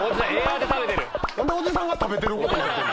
何でおじさんが食べてることに？